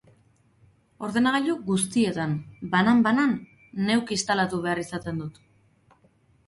Ordenagailu guztietan, banan-banan, neuk instalatu behar izaten dut.